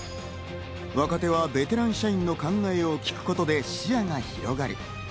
若手はベテラン社員の考えを聞くことで視野が広がる。